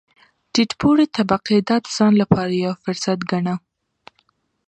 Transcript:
ټیټ پوړې طبقې دا د ځان لپاره یو فرصت ګاڼه.